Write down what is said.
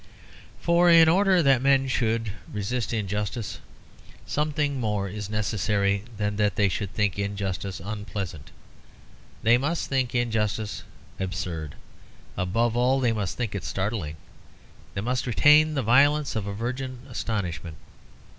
For, in order that men should resist injustice, something more is necessary than that they should think injustice unpleasant. They must think injustice absurd; above all, they must think it startling. They must retain the violence of a virgin astonishment.